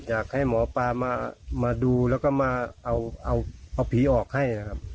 อยากให้หมอปลามาดูแล้วก็มาเอาผีออกให้นะครับ